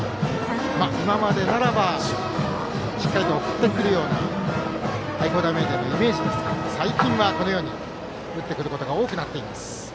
今までならばしっかりと送ってくるような愛工大名電のイメージですが最近は打ってくることが多くなっています。